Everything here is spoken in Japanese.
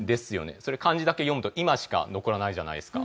それ漢字だけ読むと「今」しか残らないじゃないですか。